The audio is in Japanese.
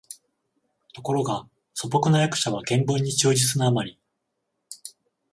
ところが素朴な訳者は原文に忠実なあまり、